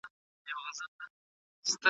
حنفي مسلک د اعتدال لار ده.